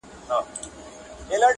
• څوک په پردیو نه وي ښاغلي -